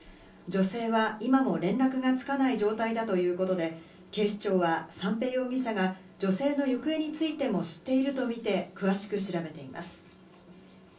女性は今も連絡がつかない状態だということで、警視庁は三瓶容疑者が女性の行方についても知っているとみて詳しく調べています。